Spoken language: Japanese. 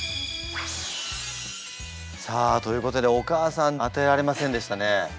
さあということでお母さん当てられませんでしたね。